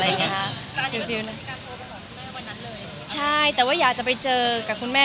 มีปิดฟงปิดไฟแล้วถือเค้กขึ้นมา